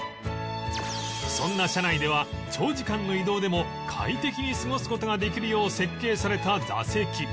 そんな車内では長時間の移動でも快適に過ごす事ができるよう設計された座席